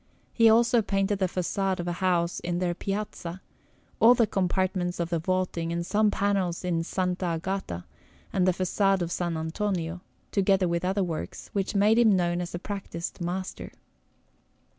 He also painted the façade of a house on their Piazza, all the compartments of the vaulting and some panels in S. Agata, and the façade of S. Antonio, together with other works, which made him known as a practised master.